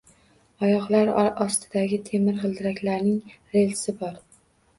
Oyoqlar ostidagi temir g’ildiraklarning relsi bor.